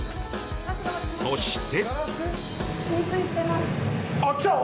そして。